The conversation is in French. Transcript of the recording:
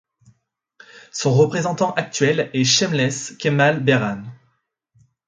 Son représentant actuel est Shemeles Kemal Berhan.